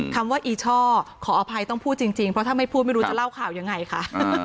คำว่าอีช่อขออภัยต้องพูดจริงเพราะถ้าไม่พูดไม่รู้จะเล่าข่าวยังไงคะ